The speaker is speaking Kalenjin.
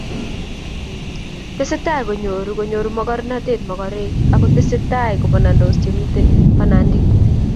tesetai konyoru konyoru mokornotet mokorek aku tesetai kubanandos che mito banandit